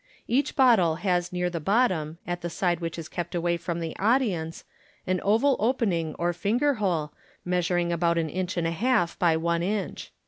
Each bottle has near the bottom, at the side which is kept away from the audience, an oval opening 01 finger hole, measuring about an inch and a half by one inch.